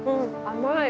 甘い。